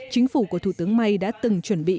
chính phủ của thủ tướng may đã từng chuẩn bị